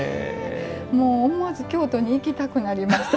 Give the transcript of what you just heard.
もう思わず京都に行きたくなりました。